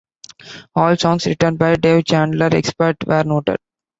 All songs written by Dave Chandler, except where noted.